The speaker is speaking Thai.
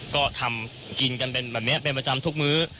ก็ทำกินกันเป็นแบบนี้เป็นประจำทุกมื้อ